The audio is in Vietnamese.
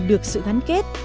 được sự gắn kết